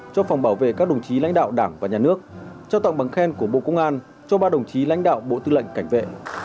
cho phòng bảo vệ các đồng chí lãnh đạo đảng và nhà nước trao tặng bằng khen của bộ công an cho ba đồng chí lãnh đạo bộ tư lệnh cảnh vệ